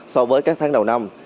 so với các tháng đầu năm